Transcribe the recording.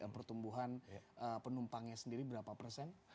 penumpangnya sendiri berapa persen